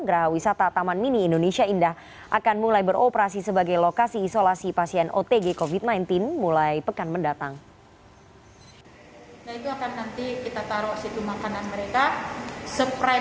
gerah wisata taman mini indonesia indah jakarta timur juga disediakan sebagai salah satu lokasi isolasi untuk pasien positif covid sembilan belas